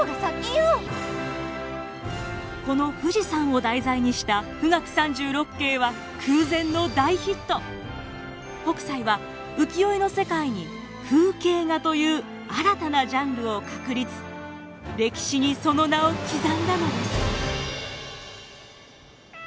この富士山を題材にした北斎は浮世絵の世界に風景画という新たなジャンルを確立歴史にその名を刻んだのです。